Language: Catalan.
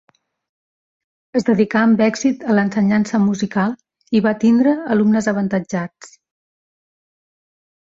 Es dedicà amb èxit a l'ensenyança musical, i va tindre alumnes avantatjats.